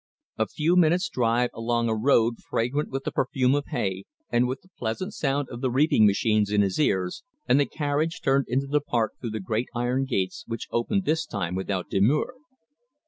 A few minutes' drive along a road fragrant with the perfume of hay, and with the pleasant sound of the reaping machines in his ears, and the carriage turned into the park through the great iron gates, which opened this time without demur.